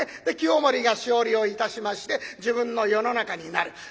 で清盛が勝利をいたしまして自分の世の中になる。